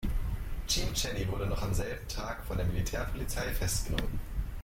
Cheam Channy wurde noch am selben Tag von der Militärpolizei festgenommen.